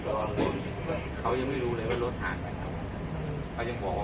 สวัสดีครับทุกคน